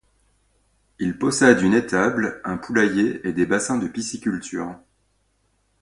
Il possède une étable, un poulailler et des bassins de pisciculture.